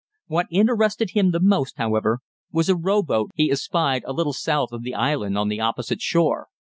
What interested him the most, however, was a row boat he espied a little south of the island on the opposite shore.